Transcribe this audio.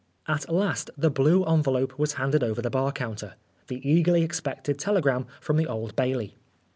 At last the blue envelope was handed over the bar counter the eagerly expected tele gram from the Old Bailey.